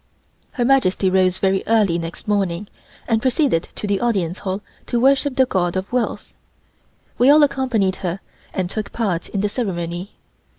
Her Majesty rose very early next morning and proceeded to the Audience Hall to worship the God of Wealth. We all accompanied her and took part in the ceremony.